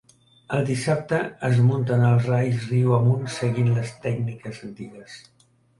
El dissabte es munten els rais riu amunt seguint les tècniques antigues.